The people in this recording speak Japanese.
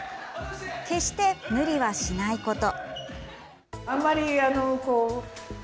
決して無理はしないこと。